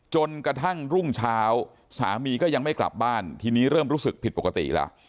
จนกระทั่งรุ่งเช้าสามีก็ยังไม่กลับบ้านทีนี้เริ่มรู้สึกผิดปกติแล้ว